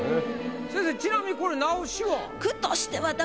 先生ちなみにこれ直しは？